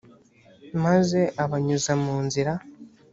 maze abanyuza mu nzira